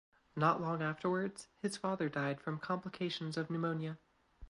Not long afterwards his father died from complications of pneumonia.